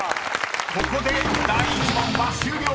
［ここで第１問は終了。